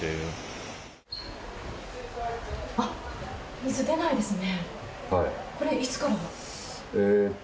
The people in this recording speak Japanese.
水、出ないですね。